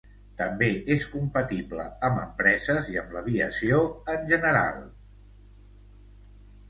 També és compatible amb empreses i amb l'aviació en general.